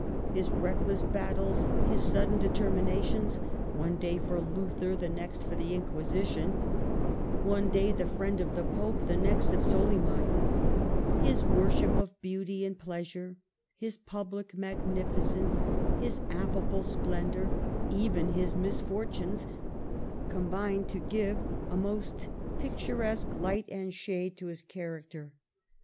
His reckless battles, his sudden determinations (one day for Luther, the next for the Inquisition; one day the friend of the Pope, the next of Soliman), his worship of beauty and pleasure, his pubHc magnificence, his affa ble splendor, even his misfortunes, combined to give a most picturesque light and shade to his character.